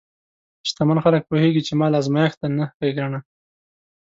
شتمن خلک پوهېږي چې مال ازمېښت دی، نه ښېګڼه.